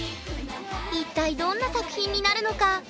一体どんな作品になるのか。